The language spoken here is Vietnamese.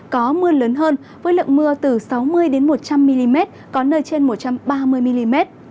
có mưa lớn hơn với lượng mưa từ sáu mươi một trăm linh mm có nơi trên một trăm ba mươi mm